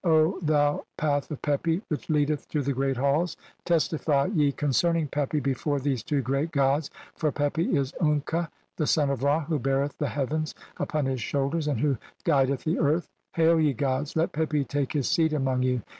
O "thou path of Pepi which leadeth to the Great Halls, "testify ye concerning Pepi before these two great "gods, for Pepi is Unka, the son of Ra, who beareth "the heavens upon his shoulders and who guideth "the earth. Hail, ye gods, let Pepi take his seat among "you.